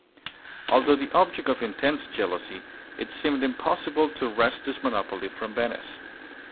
Although the object of intense jeal ousy, it seemed impossible to wrest this monopoly from Venice.